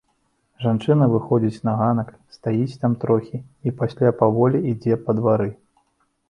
Жанчына выходзіць на ганак, стаіць там трохі і пасля паволі ідзе па двары.